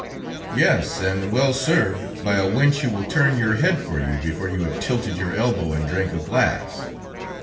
"Yes, and well served by a wench who will turn your head for you before you have tilted your elbow and drank a glass!"